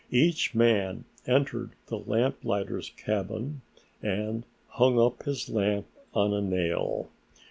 Each man entered the lamplighter's cabin and hung up his lamp on a nail.